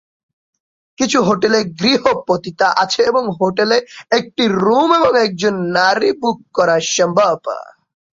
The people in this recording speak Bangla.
কিছু হোটেলে "গৃহ পতিতা" আছে এবং হোটেলে একটি রুম এবং একজন নারীকে বুক করা সম্ভব।